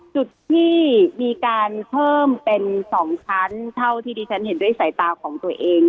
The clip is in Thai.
จุดที่มีการเพิ่มเป็น๒ชั้นเท่าที่ดิฉันเห็นด้วยสายตาของตัวเอง